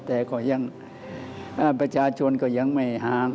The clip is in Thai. แต่ก็ยังประชาชนก็ยังไม่ห่าง